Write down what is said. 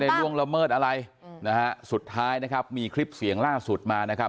ล่วงละเมิดอะไรอืมนะฮะสุดท้ายนะครับมีคลิปเสียงล่าสุดมานะครับ